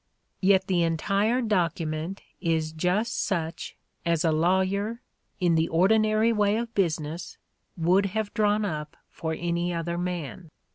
Yet the entire document is just such as a lawyer, in the ordinary way of business, would have drawn up for any other man.